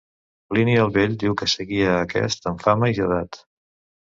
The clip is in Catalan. Plini el Vell diu que seguia a aquest en fama i edat.